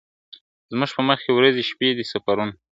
زموږ په مخکي ورځي شپې دي سفرونه !.